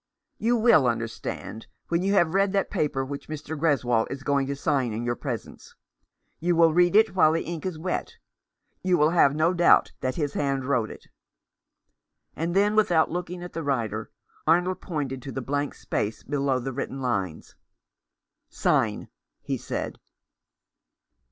"You will understand when you have read that paper which Mr. Greswold is going to sign in your presence. You will read it while the ink is wet. You will have no doubt that his hand wrote it." And then, without looking at the writer, Arnold pointed to the blank space below the written lines. "Sign," he said.